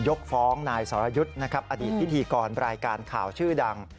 ยกฟ้องนายสรยุทธ์นะครับอดีตพิธีกรรายการข่าวชื่อดัง